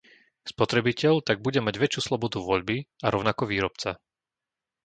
Spotrebiteľ tak bude mať väčšiu slobodu voľby a rovnako výrobca.